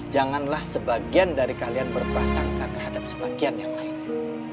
janganlah sebagian dari kalian berprasangka terhadap sebagian yang lainnya